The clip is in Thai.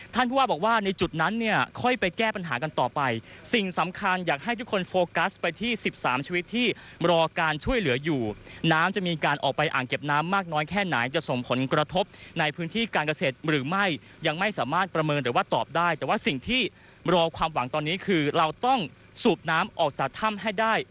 ผู้ว่าบอกว่าในจุดนั้นเนี่ยค่อยไปแก้ปัญหากันต่อไปสิ่งสำคัญอยากให้ทุกคนโฟกัสไปที่สิบสามชีวิตที่รอการช่วยเหลืออยู่น้ำจะมีการออกไปอ่างเก็บน้ำมากน้อยแค่ไหนจะส่งผลกระทบในพื้นที่การเกษตรหรือไม่ยังไม่สามารถประเมินหรือว่าตอบได้แต่ว่าสิ่งที่รอความหวังตอนนี้คือเราต้องสูบน้ำออกจากถ้ำให้ได้